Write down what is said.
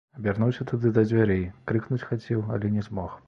Абярнуўся тады да дзвярэй, крыкнуць хацеў, але не змог.